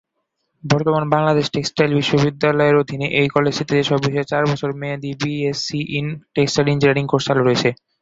বর্তমানে বাংলাদেশ টেক্সটাইল বিশ্ববিদ্যালয়ের অধীনে এই কলেজটিতে যেসব বিষয়ে চার বছর মেয়াদী BSc in textile engineering course চালু রয়েছেঃ-